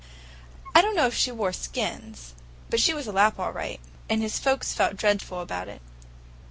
"I don't know if she wore skins, but she was a Lapp all right, and his folks felt dreadful about it.